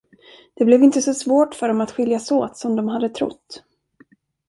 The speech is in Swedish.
Det blev inte så svårt för dem att skiljas åt som de hade trott.